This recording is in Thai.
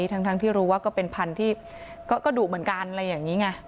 ทั้งที่รู้ว่าก็เป็นพันธุ์ที่ก็ดุเหมือนกันอะไรอย่างนี้ไง